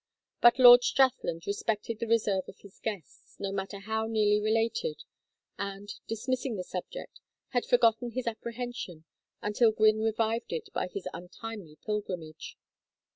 But Lord Strathland respected the reserve of his guests, no matter how nearly related, and, dismissing the subject, had forgotten his apprehension until Gwynne revived it by his untimely pilgrimage.